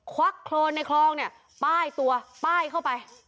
ควั๊คโครลในคลองป้ายตัวป้ายไป